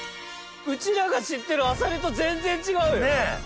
うちらが知ってるあさりと全然違うよ！ねぇ！